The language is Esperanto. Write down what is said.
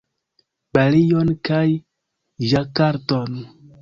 Balion kaj Ĝakarton